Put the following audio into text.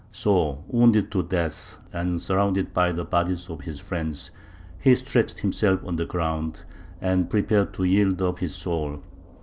So, wounded to death, and surrounded by the bodies of his friends, he stretched himself on the ground, and prepared to yield up his soul.